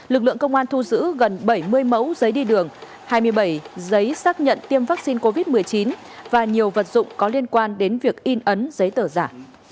lực lượng công an thu giữ gần bảy mươi mẫu giấy đi đường hai mươi bảy giấy xác nhận tiêm vaccine covid một mươi chín và nhiều vật dụng có liên quan đến việc in ấn giấy tờ giả